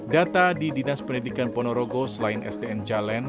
data di dinas pendidikan ponorogo selain sdn jalan